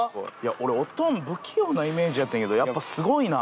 俺おとん不器用なイメージやったんやけどやっぱすごいな。